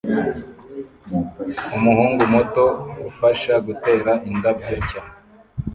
Umuhungu muto ufasha gutera indabyo nshya